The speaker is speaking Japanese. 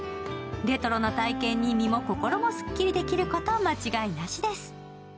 レトロな体験に身も心もすっきりできること間違いなしです。